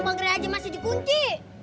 pager aja masih dikunci